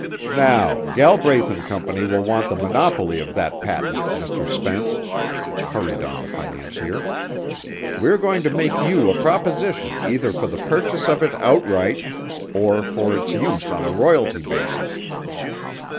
"Now Galbraith and Company will want the monopoly of that patent, Mr. Spence," hurried on the financier. "We are going to make you a proposition either for the purchase of it outright, or for its use on a royalty basis."